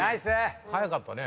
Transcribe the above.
早かったね。